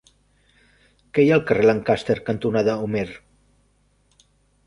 Què hi ha al carrer Lancaster cantonada Homer?